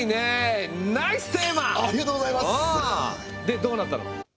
でどうなったの？